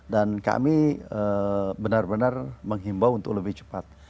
kami benar benar menghimbau untuk lebih cepat